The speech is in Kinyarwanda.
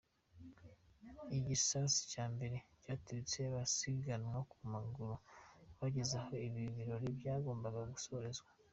Igisasu cya mbere cyaturitse abasiganwaga ku maguru bageze aho ibi birori byagombaga gusorezwa.